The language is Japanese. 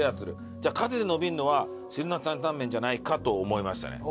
じゃあ数で伸びるのは汁なし担々麺じゃないかと思いましたね。